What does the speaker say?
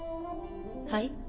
はい？